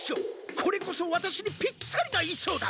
これこそワタシにぴったりな衣装だ！